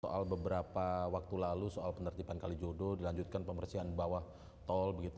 soal beberapa waktu lalu soal penerjipan kali jodoh dilanjutkan pembersihan bawah tol